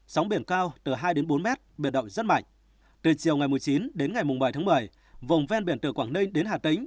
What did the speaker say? sóng biển cao từ hai bốn m biệt động rất mạnh từ chiều chín một mươi một mươi vùng ven biển từ quảng ninh đến hà tĩnh